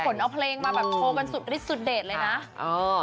คอนเอาเพลงมาโฟล์กันสุดเดทเลยนะ